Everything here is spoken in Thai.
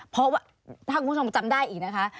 เพราะว่าถ้าคุณผู้ชมจำได้อีกนะคะ